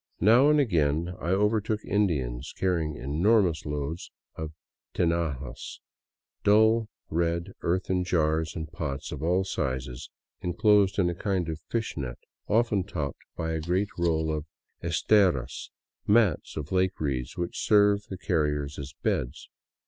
Now and again I overtook Indians carrying enormous loads of tinajas, dull red earthen jars and pots of all sizes enclosed in a kind of fish net, often topped by a great roll of esteras, mats made of lake reeds which serve the carriers as beds.